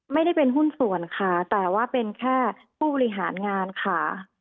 ไม่ได้เป็นหุ้นส่วนค่ะแต่ว่าเป็นแค่ผู้บริหารงานค่ะ